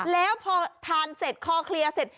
แล้วพอทานเสร็จคอเคลียร์เสร็จ